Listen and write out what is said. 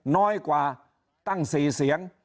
น้อยกว่าตั้ง๔เสียง